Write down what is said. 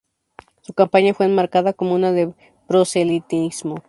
Su campaña fue enmarcada como una de proselitismo.